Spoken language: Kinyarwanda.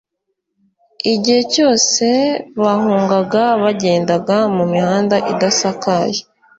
igihe cyose bahungaga, bagendaga mu mihanda idasakaye